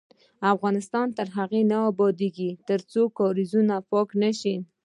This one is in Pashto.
افغانستان تر هغو نه ابادیږي، ترڅو کاریزونه پاک نشي.